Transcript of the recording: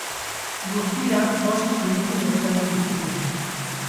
Guztira, bost delitu leporatu dizkiote.